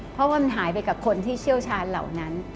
เพราะมันหายไปกับคนที่เชี่ยวชาญเหล่านั้น